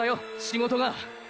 仕事が。